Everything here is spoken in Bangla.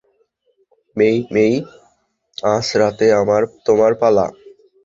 মেই-মেই, আজ রাতে তোমার পালা।